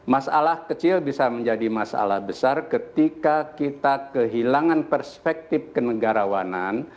masalah kecil bisa menjadi masalah besar ketika kita kehilangan perspektif kenegarawanan